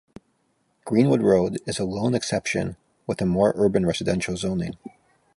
Greenwood Road is a lone exception with a more urban residential zoning.